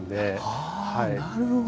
あなるほど。